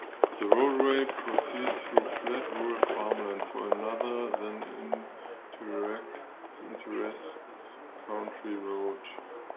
The roadway proceeds through flat rural farmland for another then intersects County Road Rr.